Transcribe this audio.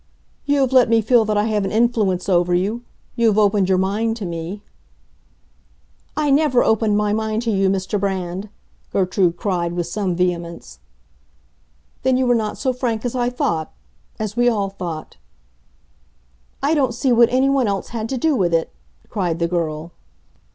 "You have let me feel that I have an influence over you. You have opened your mind to me." "I never opened my mind to you, Mr. Brand!" Gertrude cried, with some vehemence. "Then you were not so frank as I thought—as we all thought." "I don't see what anyone else had to do with it!" cried the girl.